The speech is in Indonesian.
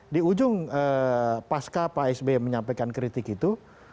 di ujung pasca pak sby menyampaikan kritik itu